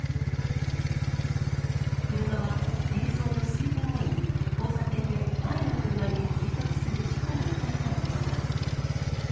車は映像の数分後に、交差点で前の車に追突する事故を起こしたのですが。